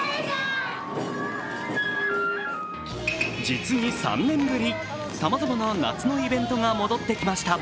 実に３年ぶり、さまざまな夏のイベントが戻ってきました。